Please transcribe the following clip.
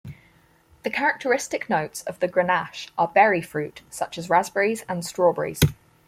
The characteristic notes of Grenache are berry fruit such as raspberries and strawberries.